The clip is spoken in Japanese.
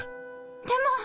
でも。